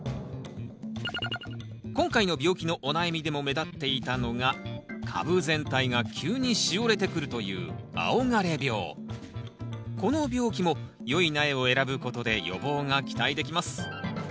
今回の病気のお悩みでも目立っていたのが株全体が急にしおれてくるというこの病気もよい苗を選ぶことで予防が期待できます